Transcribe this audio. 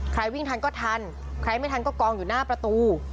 วิ่งทันก็ทันใครไม่ทันก็กองอยู่หน้าประตู